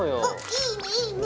いいねいいね。